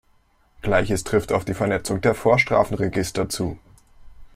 Gleiches trifft auf die Vernetzung der Vorstrafenregister zu.